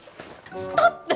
ストップ！